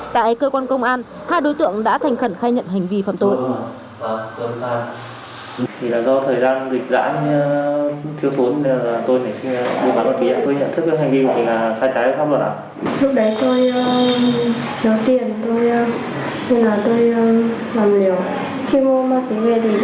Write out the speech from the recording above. tại cơ quan công an hai đối tượng đã thành khẩn khai nhận hành vi phạm tội